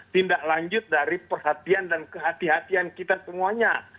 tindak lanjut dari perhatian dan kehatian kita semuanya